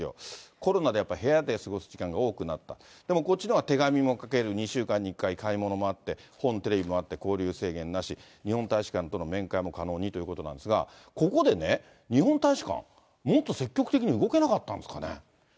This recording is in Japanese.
コロナでやっぱり部屋で過ごす期間が多くなって、でもこっちのほうが手紙も書ける、２週間に１回買い物もあって、本、テレビもあって、交流制限なし、日本大使館との面会も可能にということなんですが、ここでね、日本大使館、もっと積極的に動けなかったんですかね？